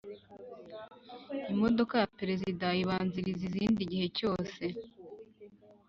imodoka ya prerzida ibanziriza izindi igihe cyose